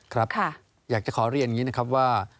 ครับอยากจะขอเรียนอย่างนี้นะครับว่า